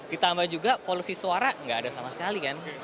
ditambah juga polusi suara nggak ada sama sekali kan